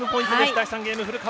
第３ゲーム古川。